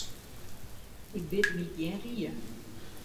Ik wit my gjin rie.